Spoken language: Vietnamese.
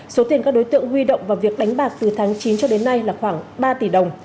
số tiền các đối tượng huy động vào việc đánh bạc từ tháng chín cho đến nay là khoảng ba tỷ đồng